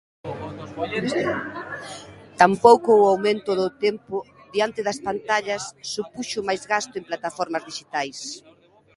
Tampouco o aumento do tempo diante das pantallas supuxo máis gasto en plataformas dixitais.